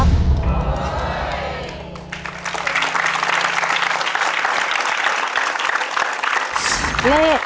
ครับครับครับ